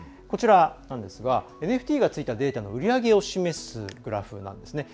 こちらなんですがＮＦＴがついたデータの売り上げを示すグラフです。